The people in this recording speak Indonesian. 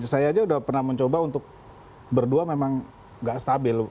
saya aja udah pernah mencoba untuk berdua memang nggak stabil